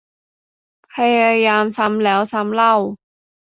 พยายามซ้ำแล้วซ้ำเล่า